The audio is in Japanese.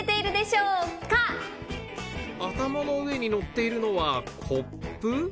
頭の上に乗っているのはコップ？